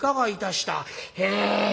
「へえ。